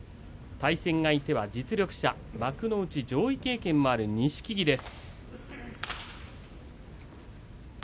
対戦相手は実力者幕内上位経験もある錦木です。